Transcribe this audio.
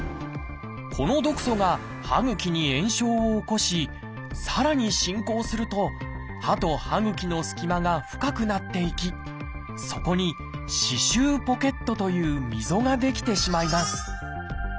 この毒素が歯ぐきに炎症を起こしさらに進行すると歯と歯ぐきの隙間が深くなっていきそこに「歯周ポケット」という溝が出来てしまいます。